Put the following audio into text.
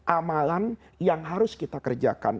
amalan yang harus kita kerjakan